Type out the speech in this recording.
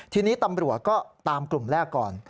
ทีนี้ตำรวจก็ตามกลุ่มแรกก่อน